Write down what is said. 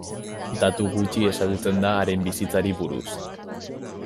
Datu gutxi ezagutzen da haren bizitzari buruz.